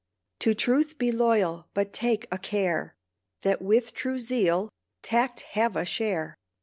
To truth be loyal, but take a care That with true zeal tact have a share.